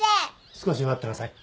少し待ってなさい。